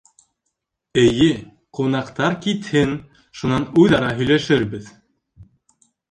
— Эйе, ҡунаҡтар китһен, шунан үҙ-ара һөйләшербеҙ.